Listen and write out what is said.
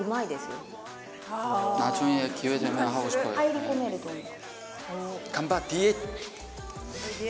入り込めると思う。